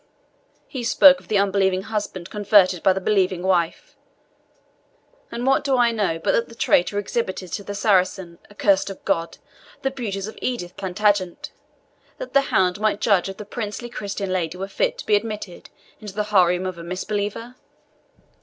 He spoke of the unbelieving husband converted by the believing wife; and what do I know but that the traitor exhibited to the Saracen, accursed of God, the beauties of Edith Plantagenet, that the hound might judge if the princely Christian lady were fit to be admitted into the haram of a misbeliever?